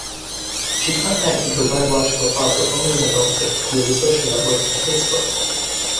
She contacted her biological father only in adulthood via the social network Facebook.